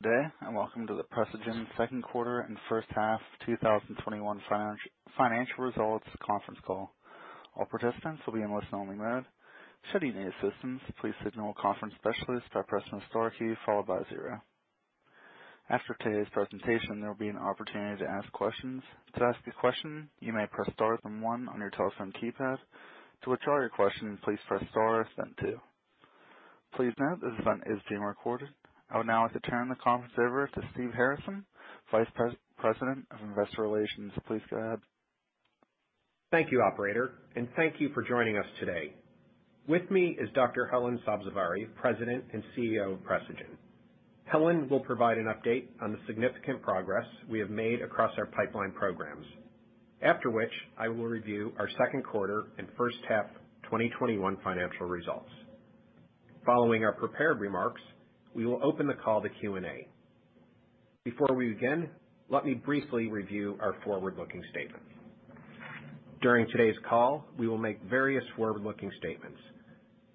Good day, and welcome to the Precigen second quarter and first half 2021 financial results conference call. All participants will be in listen-only mode. Should you need assistance, please signal a conference specialist by pressing the star key, followed by zero. After today's presentation, there will be an opportunity to ask questions. To ask a question, you may press star then one on your telephone keypad. To withdraw your question, please press star then two. Please note this event is being recorded. I would now like to turn the conference over to Steve Harasym, Vice President of Investor Relations. Please go ahead. Thank you, Operator, and thank you for joining us today. With me is Dr. Helen Sabzevari, President and Chief Executive Officer of Precigen. Helen will provide an update on the significant progress we have made across our pipeline programs, after which I will review our second quarter and first half 2021 financial results. Following our prepared remarks, we will open the call to Q&A. Before we begin, let me briefly review our forward-looking statement. During today's call, we will make various forward-looking statements.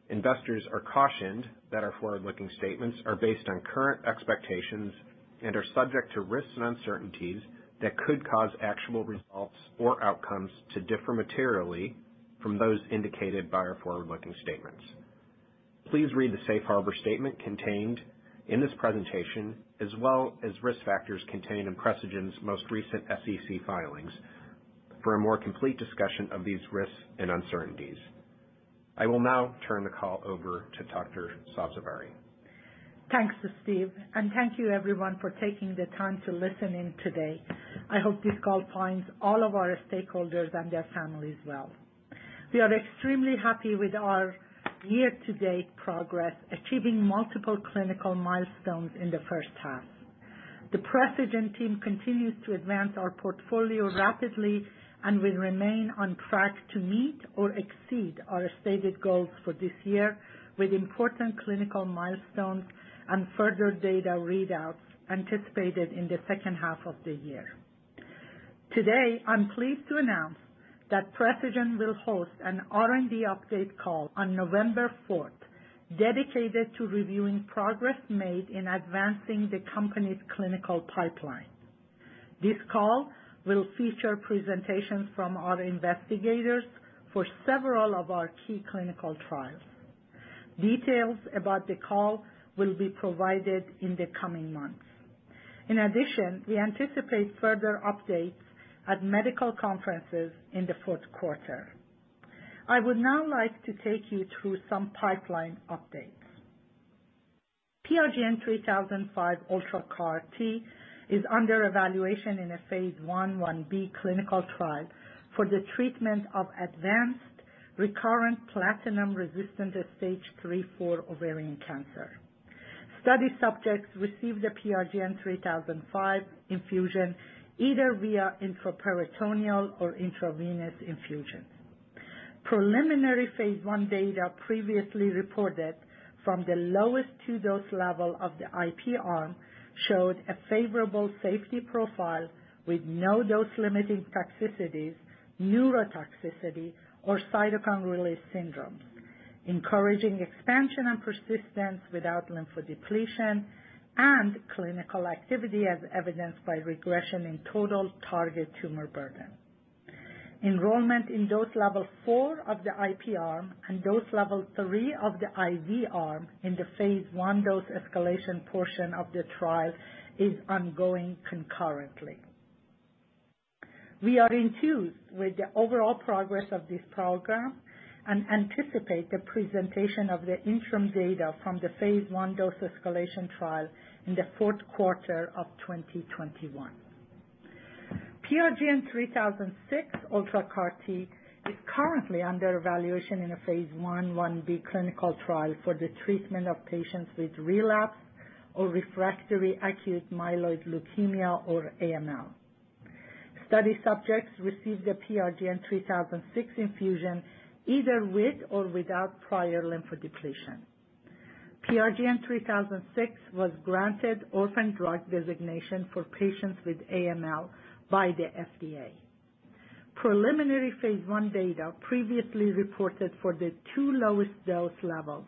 Investors are cautioned that our forward-looking statements are based on current expectations and are subject to risks and uncertainties that could cause actual results or outcomes to differ materially from those indicated by our forward-looking statements. Please read the safe harbor statement contained in this presentation, as well as risk factors contained in Precigen's most recent SEC filings for a more complete discussion of these risks and uncertainties. I will now turn the call over to Dr. Sabzevari. Thanks, Steve, thank you everyone for taking the time to listen in today. I hope this call finds all of our stakeholders and their families well. We are extremely happy with our year-to-date progress, achieving multiple clinical milestones in the first half. The Precigen team continues to advance our portfolio rapidly and will remain on track to meet or exceed our stated goals for this year, with important clinical milestones and further data readouts anticipated in the second half of the year. Today, I'm pleased to announce that Precigen will host an R&D update call on November 4th, dedicated to reviewing progress made in advancing the company's clinical pipeline. This call will feature presentations from our investigators for several of our key clinical trials. Details about the call will be provided in the coming months. In addition, we anticipate further updates at medical conferences in the fourth quarter. I would now like to take you through some pipeline updates. PRGN-3005 UltraCAR-T is under evaluation in a phase I/I-B clinical trial for the treatment of advanced recurrent platinum-resistant stage III/IV ovarian cancer. Study subjects received the PRGN-3005 infusion either via intraperitoneal or intravenous infusion. Preliminary phase I data previously reported from the lowest two dose level of the IP arm showed a favorable safety profile with no dose-limiting toxicities, neurotoxicity, or cytokine release syndrome, encouraging expansion and persistence without lymphodepletion and clinical activity as evidenced by regression in total target tumor burden. Enrollment in Dose Level 4 of the IP arm and Dose Level 3 of the IV arm in the phase I dose escalation portion of the trial is ongoing concurrently. We are enthused with the overall progress of this program and anticipate the presentation of the interim data from the phase I dose escalation trial in the fourth quarter of 2021. PRGN-3006 UltraCAR-T is currently under evaluation in a phase I/I-B clinical trial for the treatment of patients with relapsed or refractory acute myeloid leukemia or AML. Study subjects received the PRGN-3006 infusion either with or without prior lymphodepletion. PRGN-3006 was granted orphan drug designation for patients with AML by the FDA. Preliminary phase I data previously reported for the two lowest dose levels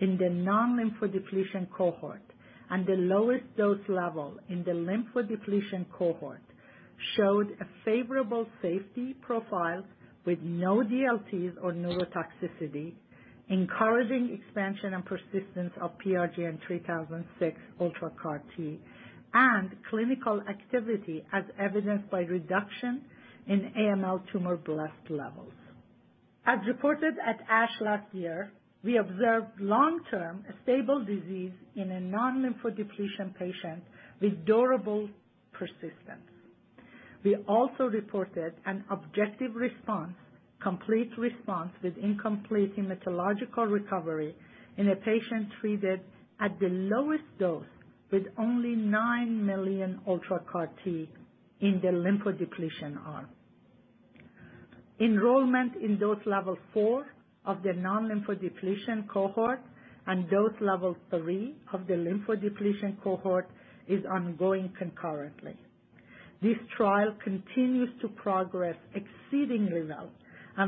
in the non-lymphodepletion cohort and the lowest dose level in the lymphodepletion cohort showed a favorable safety profile with no DLTs or neurotoxicity, encouraging expansion and persistence of PRGN-3006 UltraCAR-T and clinical activity as evidenced by reduction in AML tumor blast levels. As reported at ASH last year, we observed long-term stable disease in a non-lymphodepletion patient with durable persistence. We also reported an objective response, complete response with incomplete hematological recovery in a patient treated at the lowest dose with only 9 million UltraCAR-T in the lymphodepletion arm. Enrollment in Dose Level 4 of the non-lymphodepletion cohort and dose level three of the lymphodepletion cohort is ongoing concurrently. This trial continues to progress exceedingly well,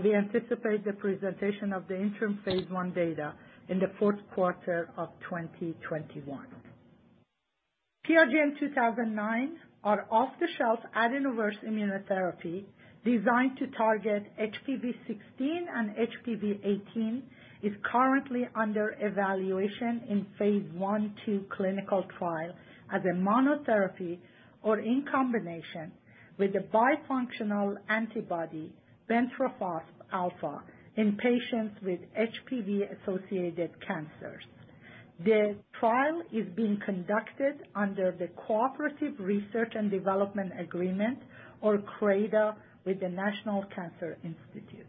we anticipate the presentation of the interim phase I data in the fourth quarter of 2021. PRGN-2009, our off-the-shelf AdenoVerse immunotherapy designed to target HPV16 and HPV18, is currently under evaluation in phase I/II clinical trial as a monotherapy or in combination with the bifunctional antibody bintrafusp alfa in patients with HPV-associated cancers. The trial is being conducted under the Cooperative Research and Development Agreement, or CRADA, with the National Cancer Institute.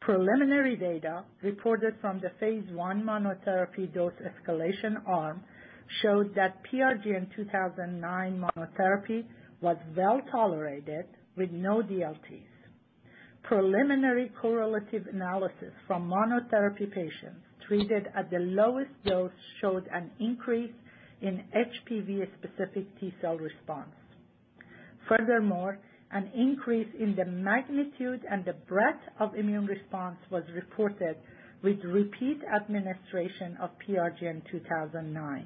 Preliminary data reported from the phase I monotherapy dose escalation arm showed that PRGN-2009 monotherapy was well-tolerated with no DLTs. Preliminary correlative analysis from monotherapy patients treated at the lowest dose showed an increase in HPV-specific T-cell response. Furthermore, an increase in the magnitude and the breadth of immune response was reported with repeat administration of PRGN-2009,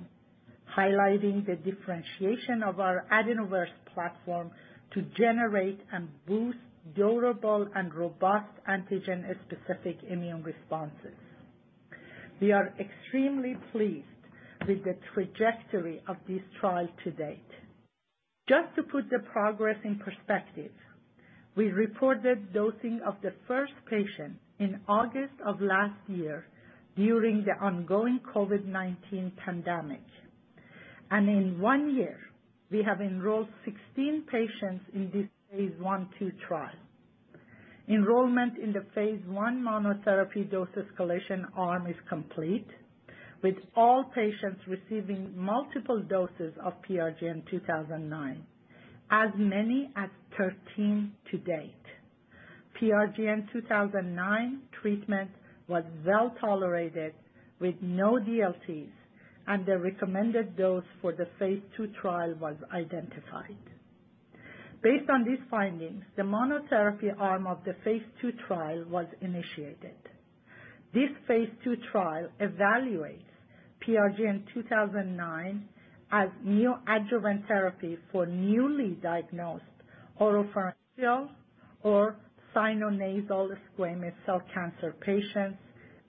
highlighting the differentiation of our AdenoVerse platform to generate and boost durable and robust antigen-specific immune responses. We are extremely pleased with the trajectory of this trial to date. Just to put the progress in perspective, we reported dosing of the first patient in August of last year during the ongoing COVID-19 pandemic. In one year, we have enrolled 16 patients in this phase I/II trial. Enrollment in the phase I monotherapy dose escalation arm is complete, with all patients receiving multiple doses of PRGN-2009. As many as 13 to date. PRGN-2009 treatment was well-tolerated with no DLTs, and the recommended dose for the phase II trial was identified. Based on these findings, the monotherapy arm of the phase II trial was initiated. This phase II trial evaluates PRGN-2009 as neoadjuvant therapy for newly diagnosed oropharyngeal or sinonasal squamous cell cancer patients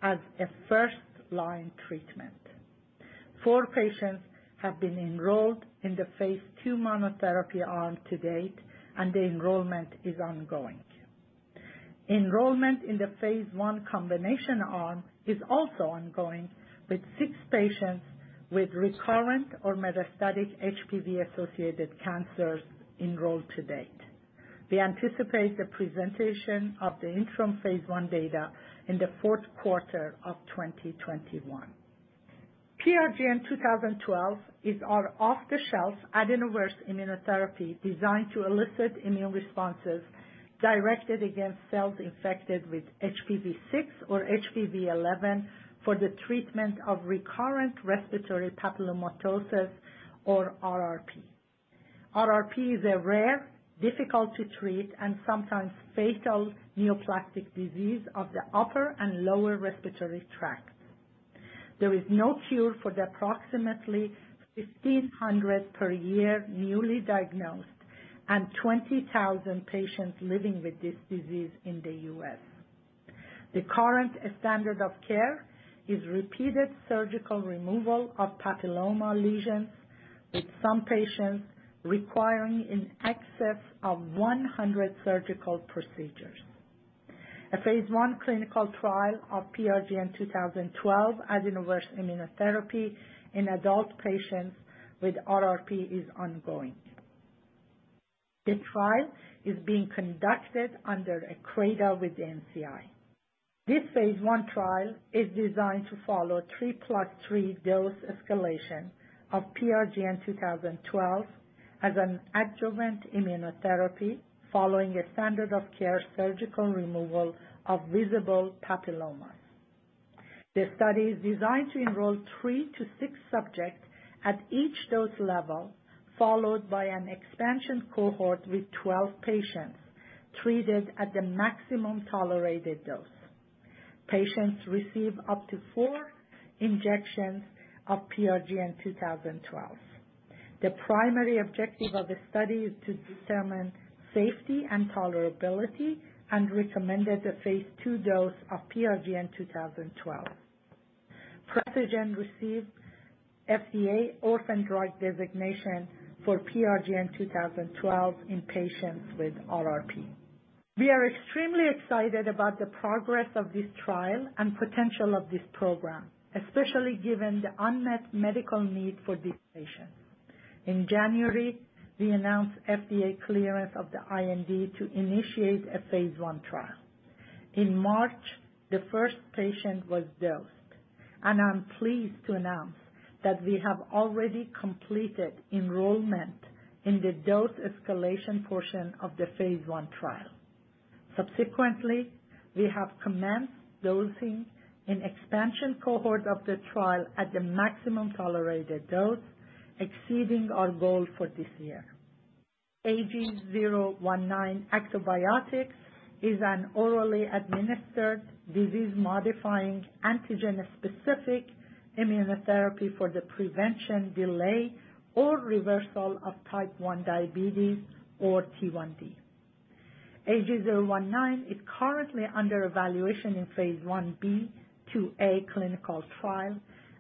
as a first-line treatment. Four patients have been enrolled in the phase II monotherapy arm to date, and the enrollment is ongoing. Enrollment in the phase I combination arm is also ongoing, with six patients with recurrent or metastatic HPV-associated cancers enrolled to date. We anticipate the presentation of the interim phase I data in the fourth quarter of 2021. PRGN-2012 is our off-the-shelf AdenoVerse immunotherapy designed to elicit immune responses directed against cells infected with HPV6 or HPV11 for the treatment of recurrent respiratory papillomatosis, or RRP. RRP is a rare, difficult to treat, and sometimes fatal neoplastic disease of the upper and lower respiratory tract. There is no cure for the approximately 1,500 per year newly diagnosed and 20,000 patients living with this disease in the U.S. The current standard of care is repeated surgical removal of papilloma lesions, with some patients requiring in excess of 100 surgical procedures. A phase I clinical trial of PRGN-2012 AdenoVerse immunotherapy in adult patients with RRP is ongoing. The trial is being conducted under a CRADA with NCI. This phase I trial is designed to follow 3 + 3 dose escalation of PRGN-2012 as an adjuvant immunotherapy following a standard of care surgical removal of visible papilloma. The study is designed to enroll three to six subjects at each dose level, followed by an expansion cohort with 12 patients treated at the maximum tolerated dose. Patients receive up to four injections of PRGN-2012. The primary objective of the study is to determine safety and tolerability and recommended a phase II dose of PRGN-2012. Precigen received FDA orphan drug designation for PRGN-2012 in patients with RRP. We are extremely excited about the progress of this trial and potential of this program, especially given the unmet medical need for these patients. In January, we announced FDA clearance of the IND to initiate a phase I trial. In March, the first patient was dosed, and I'm pleased to announce that we have already completed enrollment in the dose escalation portion of the phase I trial. Subsequently, we have commenced dosing an expansion cohort of the trial at the maximum tolerated dose, exceeding our goal for this year. AG019 ActoBiotics is an orally administered disease-modifying antigen-specific immunotherapy for the prevention, delay, or reversal of type one diabetes or T1D. AG019 is currently under evaluation in phase I-B/II-A clinical trial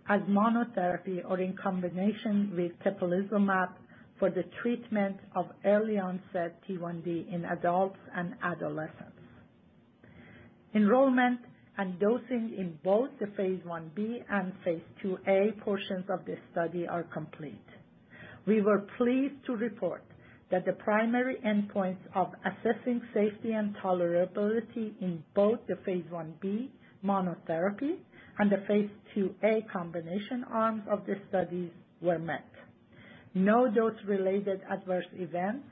as monotherapy or in combination with teplizumab for the treatment of early onset T1D in adults and adolescents. Enrollment and dosing in both the phase I-B and phase II-A portions of this study are complete. We were pleased to report that the primary endpoints of assessing safety and tolerability in both the phase I-B monotherapy and the phase II-A combination arms of the studies were met. No dose-related adverse events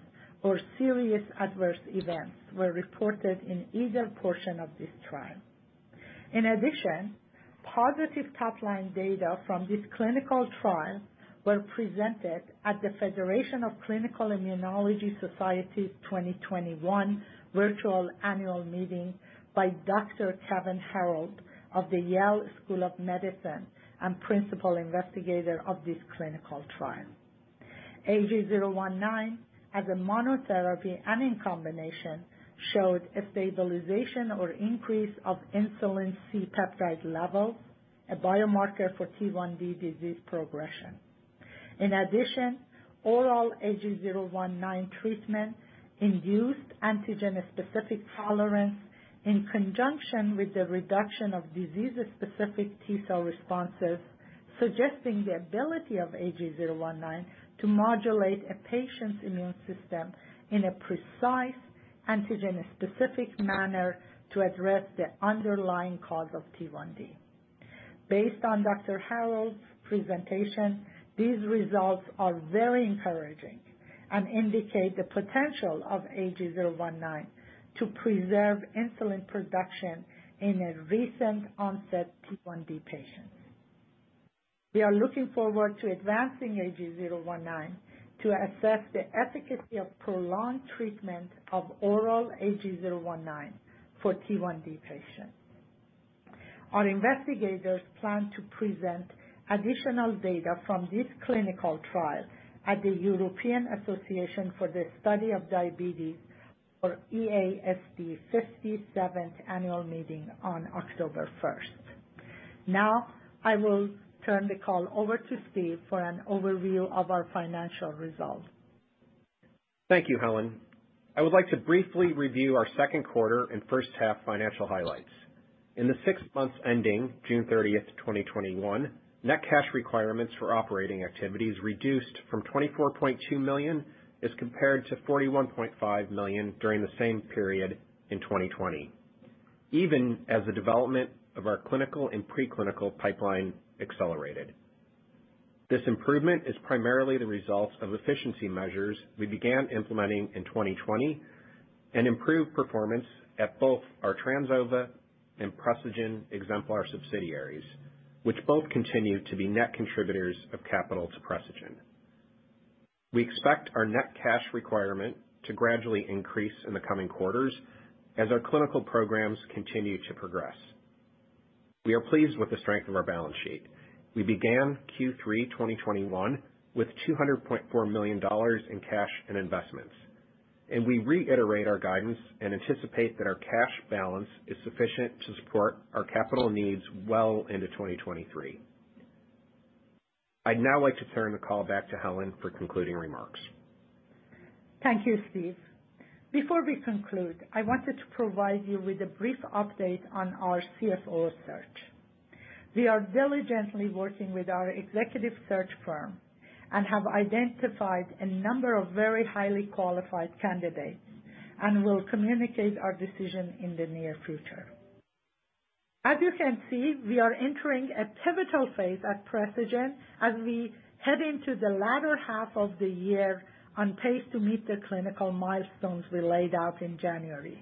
or serious adverse events were reported in either portion of this trial. In addition, positive top-line data from this clinical trial were presented at the Federation of Clinical Immunology Societies' 2021 virtual annual meeting by Dr. Kevan Herold of the Yale School of Medicine and principal investigator of this clinical trial. AG019, as a monotherapy and in combination, showed a stabilization or increase of insulin C-peptide levels, a biomarker for T1D disease progression. In addition, oral AG019 treatment induced antigen-specific tolerance in conjunction with the reduction of disease-specific T cell responses, suggesting the ability of AG019 to modulate a patient's immune system in a precise antigen-specific manner to address the underlying cause of T1D. Based on Dr. Kevan Herold's presentation, these results are very encouraging and indicate the potential of AG019 to preserve insulin production in recent onset T1D patients. We are looking forward to advancing AG019 to assess the efficacy of prolonged treatment of oral AG019 for T1D patients. Our investigators plan to present additional data from this clinical trial at the European Association for the Study of Diabetes, or EASD 57th annual meeting on October 1st. Now, I will turn the call over to Steve for an overview of our financial results. Thank you, Helen. I would like to briefly review our second quarter and first-half financial highlights. In the six months ending June 30th, 2021, net cash requirements for operating activities reduced from $24.2 million as compared to $41.5 million during the same period in 2020, even as the development of our clinical and pre-clinical pipeline accelerated. This improvement is primarily the result of efficiency measures we began implementing in 2020 and improved performance at both our Trans Ova and Precigen Exemplar subsidiaries, which both continue to be net contributors of capital to Precigen. We expect our net cash requirement to gradually increase in the coming quarters as our clinical programs continue to progress. We are pleased with the strength of our balance sheet. We began Q3 2021 with $200.4 million in cash and investments, and we reiterate our guidance and anticipate that our cash balance is sufficient to support our capital needs well into 2023. I'd now like to turn the call back to Helen for concluding remarks. Thank you, Steve. Before we conclude, I wanted to provide you with a brief update on our CFO search. We are diligently working with our executive search firm and have identified a number of very highly qualified candidates and will communicate our decision in the near future. As you can see, we are entering a pivotal phase at Precigen as we head into the latter half of the year on pace to meet the clinical milestones we laid out in January.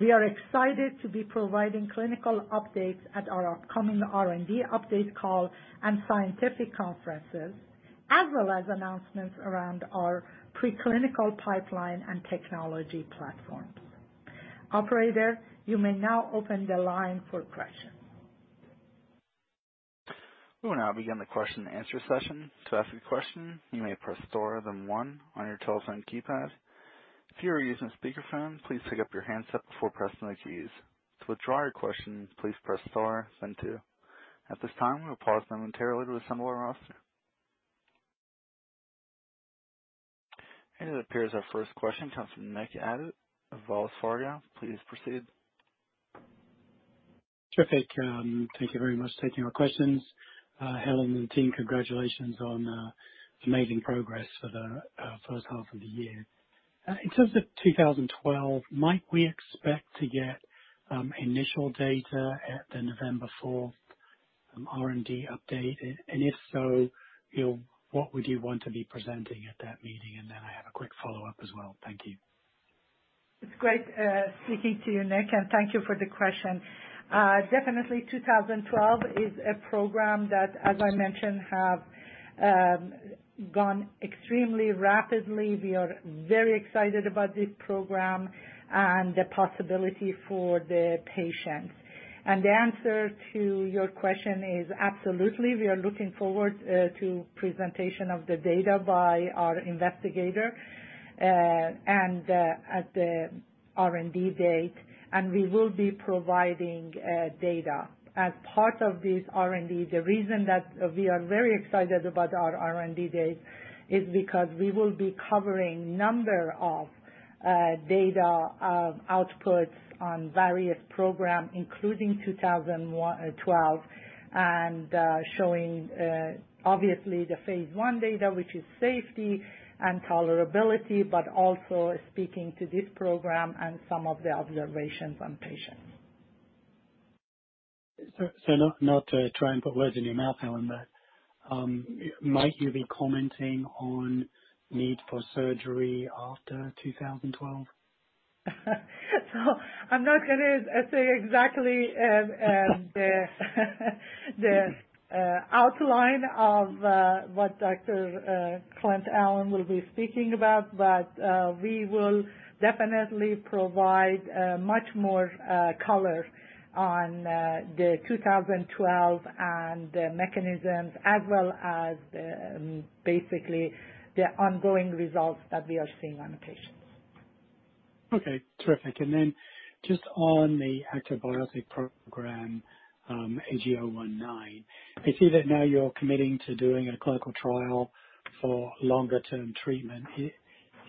We are excited to be providing clinical updates at our upcoming R&D update call and scientific conferences, as well as announcements around our pre-clinical pipeline and technology platforms. Operator, you may now open the line for questions. We will now begin the question and answer session. To ask your question you may press star then one on your telephone keypad. If you are using speakerphone, please pick up your handset before pressing the keys. To withdraw your question, please press star then two. At this time we will pause momentarily to assemble our roster. It appears our first question comes from Nick Abbott of Wells Fargo. Please proceed. Terrific. Thank you very much for taking our questions. Helen and team, congratulations on the amazing progress for the first half of the year. In terms of PRGN-2012, might we expect to get initial data at the November 4th R&D update, and if so, what would you want to be presenting at that meeting? I have a quick follow-up as well. Thank you. It's great speaking to you, Nick. Thank you for the question. Definitely 2012 is a program that, as I mentioned, have gone extremely rapidly. We are very excited about this program and the possibility for the patients. The answer to your question is absolutely. We are looking forward to presentation of the data by our investigator, and at the R&D date, and we will be providing data as part of this R&D. The reason that we are very excited about our R&D date is because we will be covering number of data outputs on various program, including 2012, and showing obviously the phase I data, which is safety and tolerability, but also speaking to this program and some of the observations on patients. Not to try and put words in your mouth, Helen, but might you be commenting on need for surgery after 2012? I'm not going to say exactly the outline of what Dr. Clint Allen will be speaking about, but we will definitely provide much more color on the 2012 and the mechanisms as well as basically the ongoing results that we are seeing on the patients. Okay, terrific. Then just on the ActoBiotics program, AG019, I see that now you're committing to doing a clinical trial for longer-term treatment.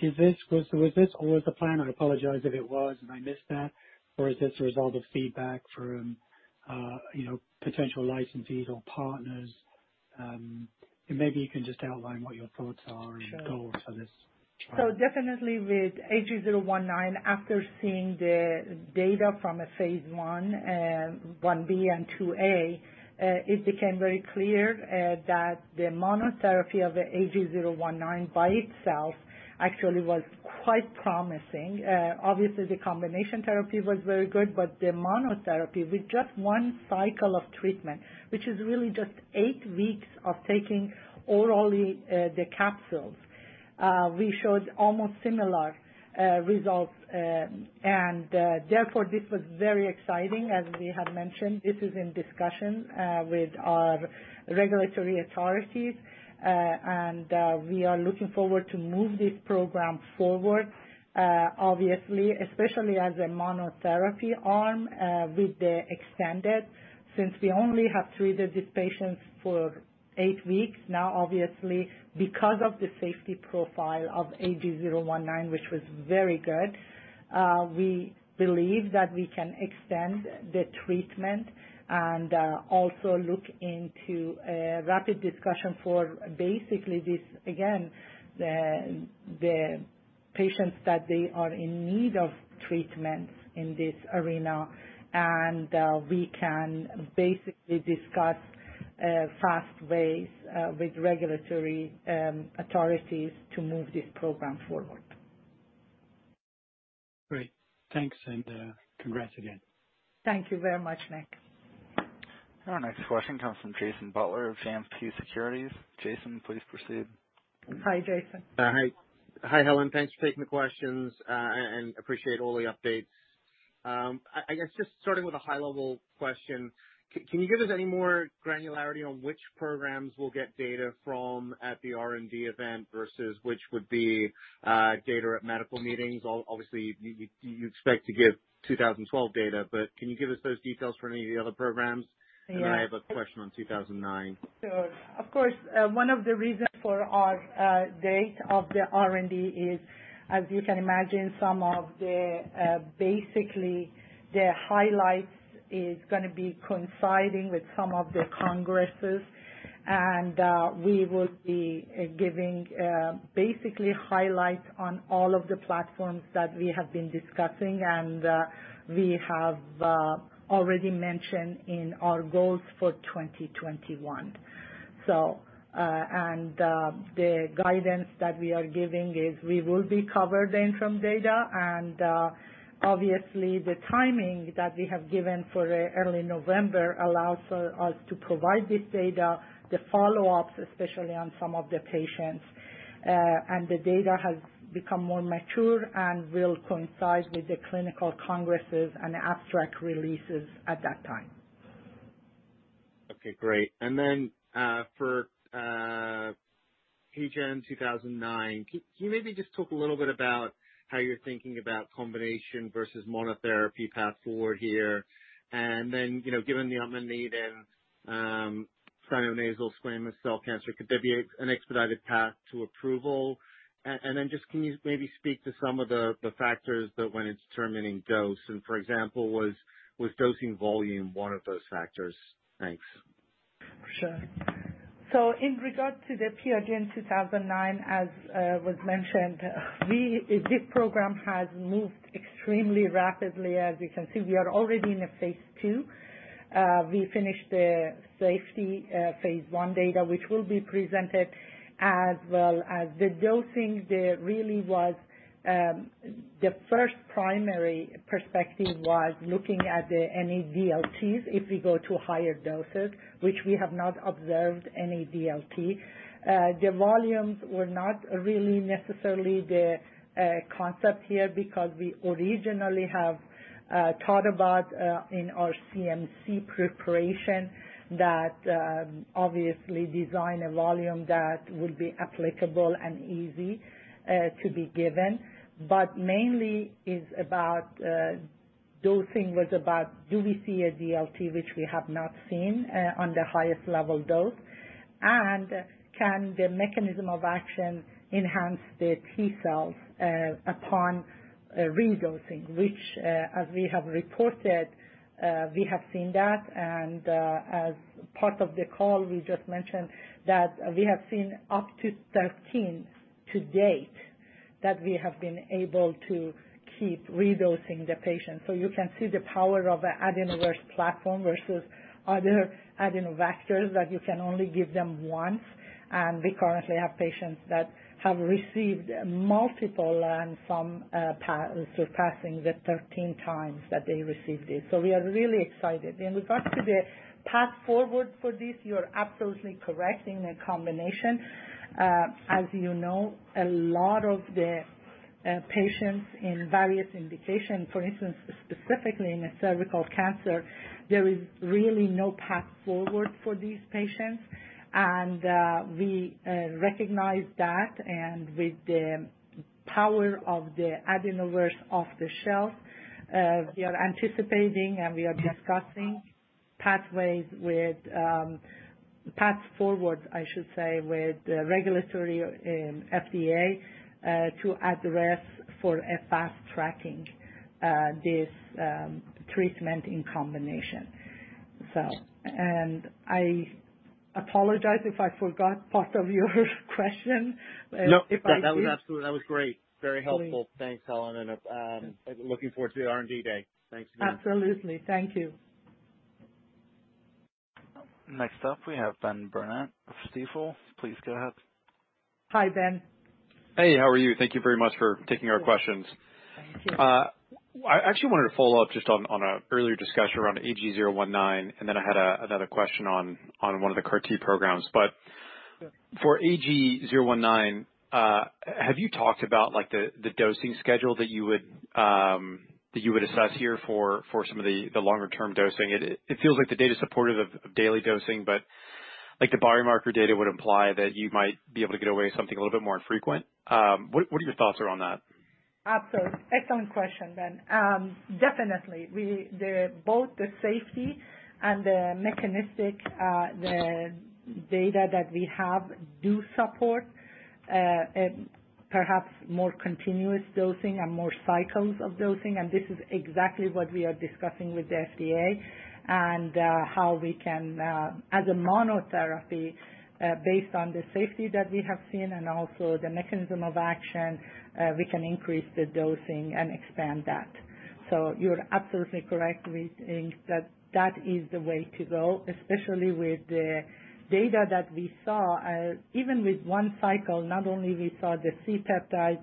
Was this always the plan? I apologize if it was and I missed that. Is this a result of feedback from potential licensees or partners? Maybe you can just outline what your thoughts are and goals for this. Definitely with AG019, after seeing the data from a phase I-B and II-A, it became very clear that the monotherapy of AG019 by itself actually was quite promising. Obviously, the combination therapy was very good, but the monotherapy with just one cycle of treatment, which is really just eight weeks of taking orally the capsules, we showed almost similar results. Therefore, this was very exciting. As we have mentioned, this is in discussion with our regulatory authorities. We are looking forward to move this program forward, obviously, especially as a monotherapy arm with the extended, since we only have treated these patients for eight weeks now, obviously, because of the safety profile of AG019, which was very good. We believe that we can extend the treatment and also look into a rapid discussion for basically this, again, the patients that they are in need of treatment in this arena. We can basically discuss fast ways with regulatory authorities to move this program forward. Great. Thanks, and congrats again. Thank you very much, Nick. Our next question comes from Jason Butler of JMP Securities. Jason, please proceed. Hi, Jason. Hi, Helen. Thanks for taking the questions. Appreciate all the updates. I guess just starting with a high-level question, can you give us any more granularity on which programs we'll get data from at the R&D event versus which would be data at medical meetings? Obviously, you expect to give 2012 data. Can you give us those details for any of the other programs? Yeah. I have a question on 2009. Sure. Of course, one of the reasons for our date of the R&D is, as you can imagine, some of the basically the highlights is going to be coinciding with some of the congresses. We will be giving basically highlights on all of the platforms that we have been discussing and we have already mentioned in our goals for 2021. The guidance that we are giving is we will be covering some data, and obviously the timing that we have given for early November allows for us to provide this data, the follow-ups, especially on some of the patients. The data has become more mature and will coincide with the clinical congresses and abstract releases at that time. Okay, great. For PRGN-2009, can you maybe just talk a little bit about how you're thinking about combination versus monotherapy path forward here? Given the unmet need in frontonasal squamous cell cancer, could there be an expedited path to approval? Can you maybe speak to some of the factors that went into determining dose and, for example, was dosing volume one of those factors? Thanks. For sure. In regard to the PRGN-2009, as was mentioned, this program has moved extremely rapidly. As you can see, we are already in a phase II. We finished the safety phase I data, which will be presented, as well as the dosing. The first primary perspective was looking at any DLTs if we go to higher doses, which we have not observed any DLT. The volumes were not really necessarily the concept here, because we originally have thought about in our CMC preparation that obviously design a volume that would be applicable and easy to be given. Mainly, dosing was about do we see a DLT, which we have not seen on the highest level dose, and can the mechanism of action enhance the T cells upon redosing, which, as we have reported, we have seen that. As part of the call, we just mentioned that we have seen up to 13 to date that we have been able to keep redosing the patient. You can see the power of the AdenoVerse platform versus other adenovectors that you can only give them once. We currently have patients that have received multiple and some surpassing the 13 times that they received it. We are really excited. In regard to the path forward for this, you're absolutely correct in the combination. As you know, a lot of the patients in various indications, for instance, specifically in cervical cancer, there is really no path forward for these patients. We recognize that, and with the power of the AdenoVerse off the shelf, we are anticipating, and we are discussing paths forward, I should say, with regulatory and FDA to address fast-tracking this treatment in combination. I apologize if I forgot part of your question. No, that was great. Very helpful. Thanks, Helen, and looking forward to the R&D day. Thanks again. Absolutely. Thank you. Next up, we have Ben Burnett of Stifel. Please go ahead. Hi, Ben. Hey, how are you? Thank you very much for taking our questions. Thank you. I actually wanted to follow up just on an earlier discussion around AG019, and then I had another question on one of the CAR T programs. But for AG019, have you talked about the dosing schedule that you would assess here for some of the longer-term dosing? It feels like the data's supportive of daily dosing, but the biomarker data would imply that you might be able to get away with something a little bit more infrequent. What are your thoughts around that? Excellent question, Ben. Definitely. Both the safety and the mechanistic data that we have do support perhaps more continuous dosing and more cycles of dosing, and this is exactly what we are discussing with the FDA and how we can, as a monotherapy, based on the safety that we have seen and also the mechanism of action, we can increase the dosing and expand that. You're absolutely correct. We think that that is the way to go, especially with the data that we saw. Even with one cycle, not only we saw the C-peptide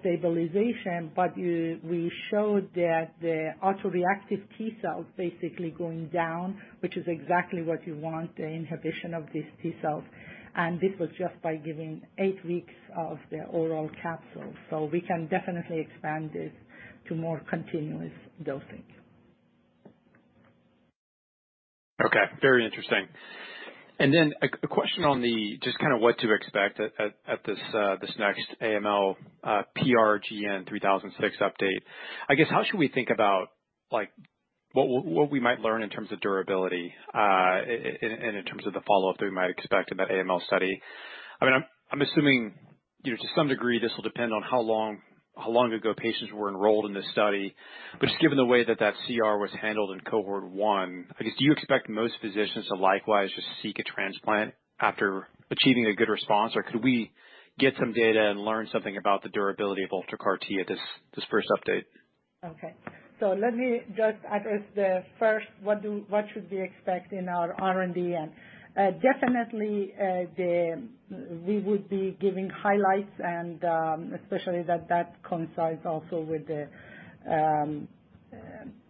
stabilization, but we showed that the autoreactive T cells basically going down, which is exactly what you want, the inhibition of these T cells. This was just by giving eight weeks of the oral capsule. We can definitely expand this to more continuous dosing. Okay. Very interesting. A question on the, just kind of what to expect at this next AML PRGN-3006 update. I guess, how should we think about what we might learn in terms of durability, and in terms of the follow-up that we might expect in that AML study? I'm assuming to some degree, this will depend on how long ago patients were enrolled in this study. Given the way that that CR was handled in cohort one, I guess, do you expect most physicians to likewise just seek a transplant after achieving a good response? Could we get some data and learn something about the durability of UltraCAR-T at this first update? Okay. Let me just address the first, what should we expect in our R&D end? Definitely, we would be giving highlights and, especially that coincides also with the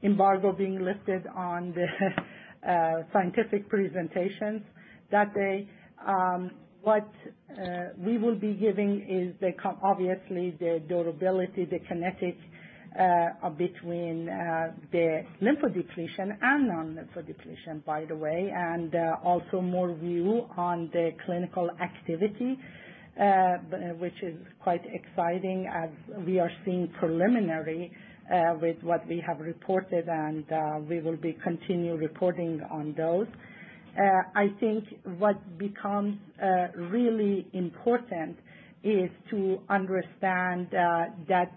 embargo being lifted on the scientific presentations that day. What we will be giving is obviously the durability, the kinetic between the lymphodepletion and non-lymphodepletion, by the way, and also more view on the clinical activity, which is quite exciting as we are seeing preliminary with what we have reported and we will be continue reporting on those. I think what becomes really important is to understand that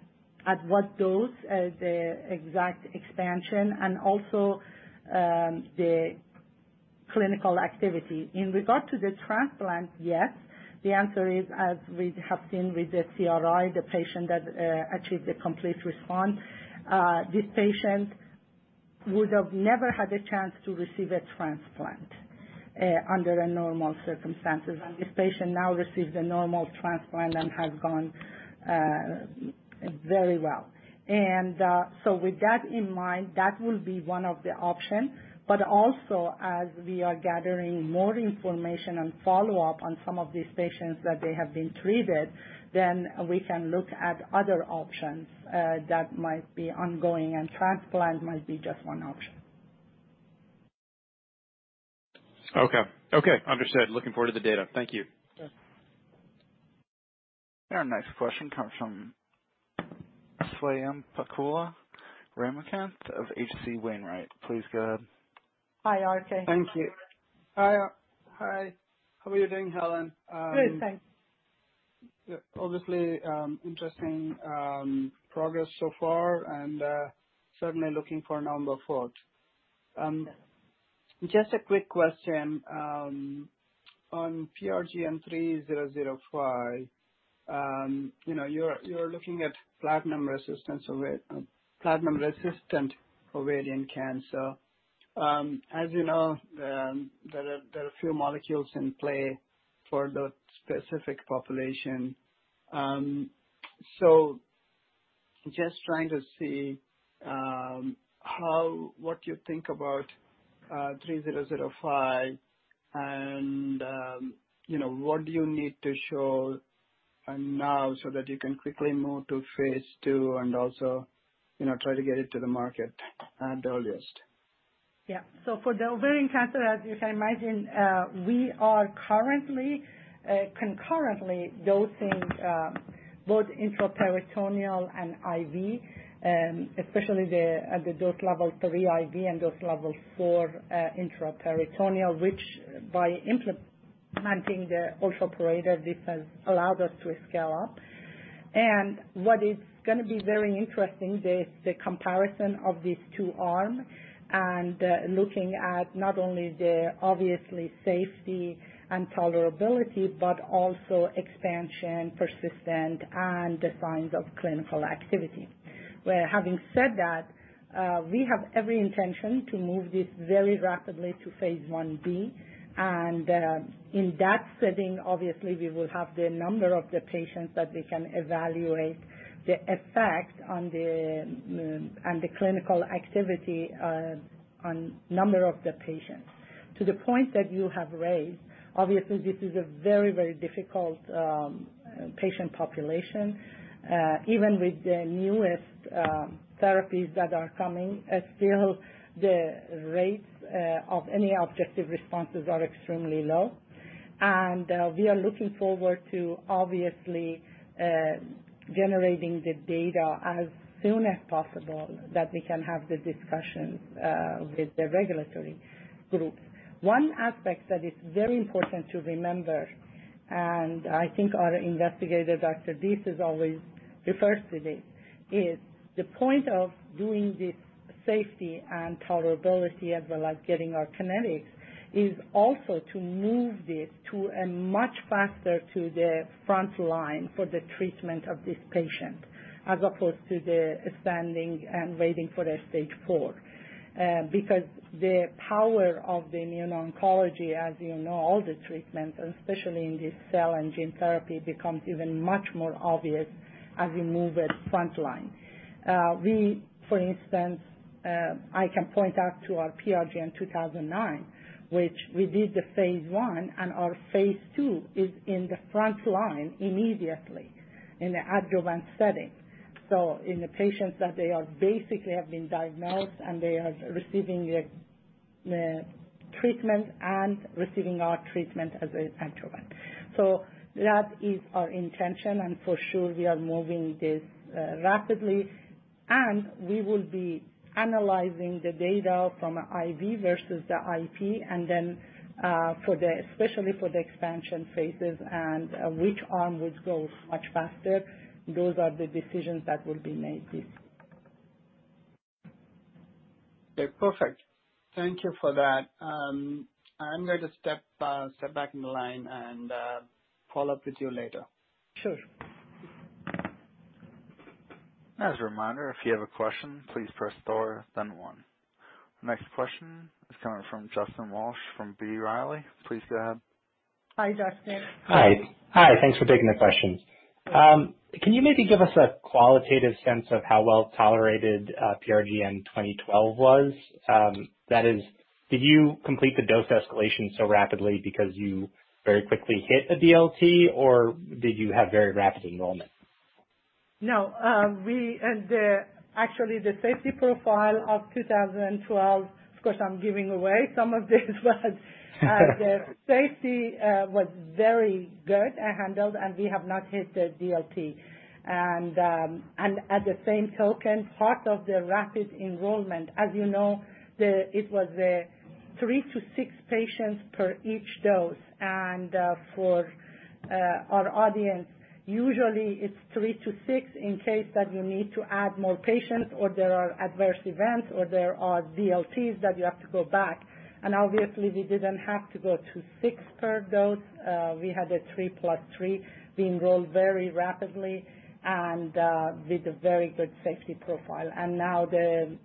at what dose, the exact expansion, and also the clinical activity. In regard to the transplant, yes, the answer is, as we have seen with the CRi, the patient that achieved a complete response, this patient would have never had a chance to receive a transplant under normal circumstances. This patient now receives the normal transplant and has done very well. With that in mind, that will be one of the options. Also, as we are gathering more information and follow-up on some of these patients that have been treated, then we can look at other options that might be ongoing, and transplant might be just one option. Okay. Understood. Looking forward to the data. Thank you. Sure. Our next question comes from Swayampakula Ramakanth of H.C. Wainwright. Please go ahead. Hi, RK. Thank you. Hi. How are you doing, Helen? Good, thanks. Obviously, interesting progress so far, certainly looking for number four. Just a quick question on PRGN-3005. You're looking at platinum resistant ovarian cancer. As you know, there are a few molecules in play for that specific population. Just trying to see what you think about 3005 and what do you need to show now so that you can quickly move to phase II and also try to get it to the market at the earliest? For the ovarian cancer, as you can imagine, we are currently, concurrently dosing both intraperitoneal and IV, especially at the Dose Level 3 IV and Dose Level 4 intraperitoneal, which by implementing the UltraPorator, this has allowed us to scale up. What is going to be very interesting is the comparison of these two arms and looking at not only the obviously safety and tolerability, but also expansion, persistence, and the signs of clinical activity. Having said that, we have every intention to move this very rapidly to phase I-B, and in that setting, obviously, we will have the number of the patients that we can evaluate the effect on the clinical activity on number of the patients. To the point that you have raised, obviously, this is a very, very difficult patient population. Even with the newest therapies that are coming, still, the rates of any objective responses are extremely low. We are looking forward to obviously generating the data as soon as possible so that we can have the discussion with the regulatory groups. One aspect that is very important to remember, and I think our investigator, Dr. Disis, always refers to this, is the point of doing this safety and tolerability, as well as getting our kinetics, is also to move this much faster to the front line for the treatment of this patient, as opposed to the standing and waiting for the stage four. The power of the immune oncology, as you know, all the treatments, and especially in this cell and gene therapy, becomes even much more obvious as we move it frontline. We, for instance, I can point out to our PRGN-2009, which we did the phase I, and our phase II is in the front line immediately in the adjuvant setting. In the patients that they basically have been diagnosed and they are receiving treatment and receiving our treatment as an adjuvant. That is our intention, and for sure, we are moving this rapidly. We will be analyzing the data from IV versus the IP, especially for the expansion phases and which arm would go much faster. Those are the decisions that will be made this. Okay, perfect. Thank you for that. I'm going to step back in the line and follow up with you later. Sure. As a reminder, if you have a question, please press star then one. Next question is coming from Justin Walsh from B. Riley. Please go ahead. Hi, Justin. Hi. Thanks for taking the question. Sure. Can you maybe give us a qualitative sense of how well-tolerated PRGN-2012 was? That is, did you complete the dose escalation so rapidly because you very quickly hit a DLT, or did you have very rapid enrollment? No. Actually, the safety profile of 2012, of course, I'm giving away some of this, but the safety was very good handled, we have not hit the DLT. At the same token, part of the rapid enrollment, as you know, it was a three to six patients per each dose. For our audience, usually it's three to six in case that you need to add more patients or there are adverse events, or there are DLTs that you have to go back. Obviously, we didn't have to go to six per dose. We had a 3 + 3. We enrolled very rapidly, with a very good safety profile. Now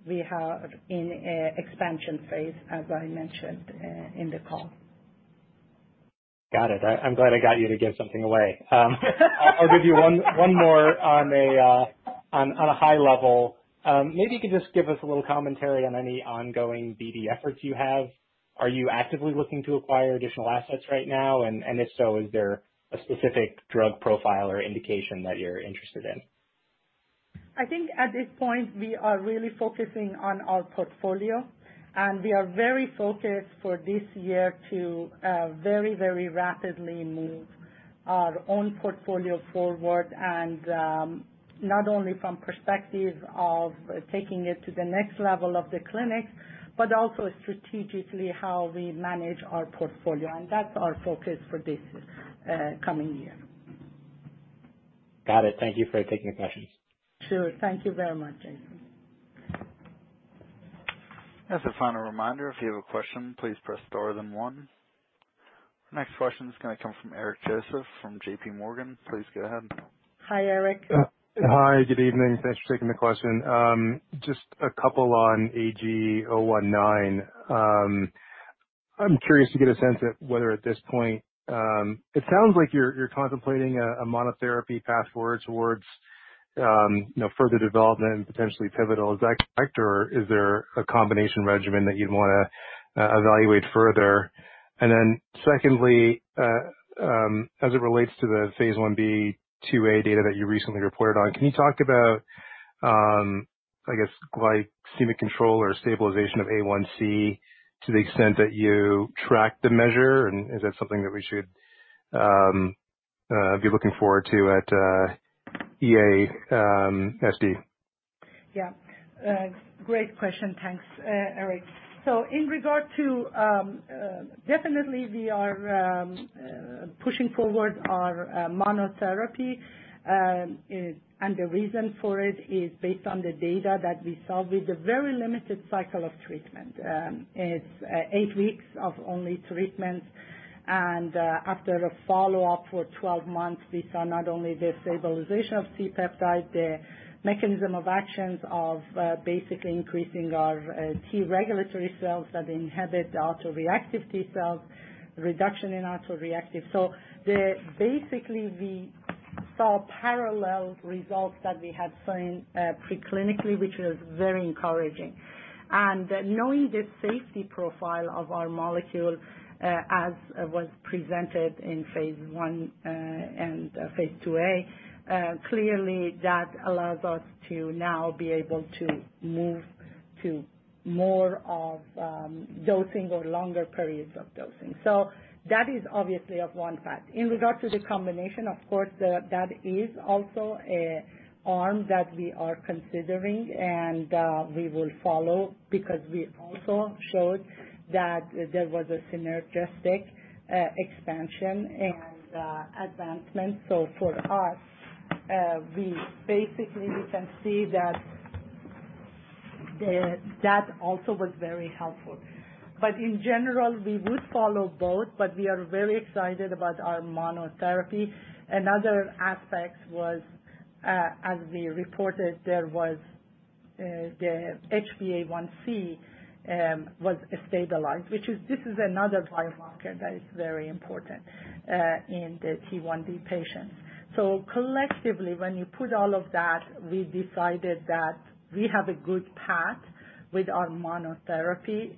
we are in expansion phase, as I mentioned in the call. Got it. I'm glad I got you to give something away. I'll give you one more on a high level. Maybe you could just give us a little commentary on any ongoing BD efforts you have. Are you actively looking to acquire additional assets right now? If so, is there a specific drug profile or indication that you're interested in? I think at this point, we are really focusing on our portfolio. We are very focused for this year to very rapidly move our own portfolio forward. Not only from perspective of taking it to the next level of the clinic, but also strategically how we manage our portfolio. That's our focus for this coming year. Got it. Thank you for taking the questions. Sure. Thank you very much, Jason. As a final reminder, if you have a question, please press star then one. Next question is going to come from Eric Joseph from JPMorgan. Please go ahead. Hi, Eric. Hi. Good evening. Thanks for taking the question. Just a couple on AG019. I'm curious to get a sense at whether at this point, it sounds like you're contemplating a monotherapy path forward towards further development and potentially pivotal. Is that correct? Is there a combination regimen that you'd want to evaluate further? Secondly, as it relates to the phase I-B/II-A data that you recently reported on, can you talk about, I guess, glycemic control or stabilization of A1c to the extent that you track the measure? Is that something that we should be looking forward to at EASD? Yeah. Great question. Thanks, Eric. Definitely we are pushing forward our monotherapy. The reason for it is based on the data that we saw with a very limited cycle of treatment. It's eight weeks of only treatment. After a follow-up for 12 months, we saw not only the stabilization of C-peptide, the mechanism of actions of basically increasing our T regulatory cells that inhibit autoreactive T cells, reduction in autoreactive. Basically, we saw parallel results that we had seen pre-clinically, which was very encouraging. Knowing the safety profile of our molecule, as was presented in phase I, and phase II-A, clearly that allows us to now be able to move to more of dosing or longer periods of dosing. That is obviously of one fact. In regard to the combination, of course, that is also an arm that we are considering and we will follow because we also showed that there was a synergistic expansion and advancement. For us, basically we can see that also was very helpful. In general, we would follow both, but we are very excited about our monotherapy. Another aspect was, as we reported, there was the HbA1c was stabilized, which this is another biomarker that is very important in the T1D patients. Collectively, when you put all of that, we decided that we have a good path with our monotherapy.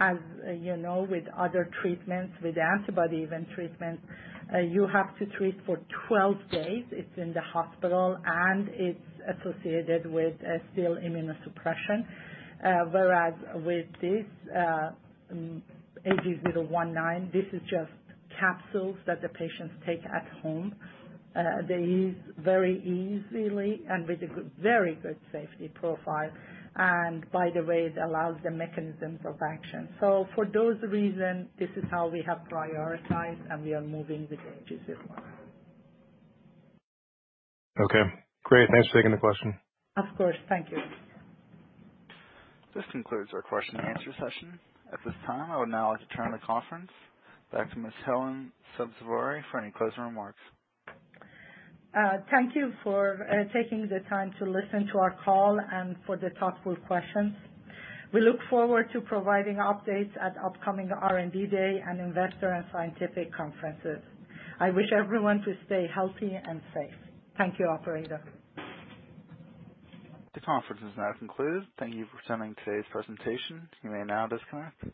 As you know, with other treatments, with antibody even treatments, you have to treat for 12 days. It's in the hospital, and it's associated with still immunosuppression. Whereas with this, AG019, this is just capsules that the patients take at home. They use very easily and with a very good safety profile. By the way, it allows the mechanisms of action. For those reasons, this is how we have prioritized, and we are moving with AG019. Okay, great. Thanks for taking the question. Of course. Thank you. This concludes our question and answer session. At this time, I would now like to turn the conference back to Ms. Helen Sabzevari for any closing remarks. Thank you for taking the time to listen to our call and for the thoughtful questions. We look forward to providing updates at upcoming R&D Day and investor and scientific conferences. I wish everyone to stay healthy and safe. Thank you, operator. The conference is now concluded. Thank you for attending today's presentation. You may now disconnect.